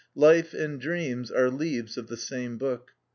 Life and dreams are leaves of the same book.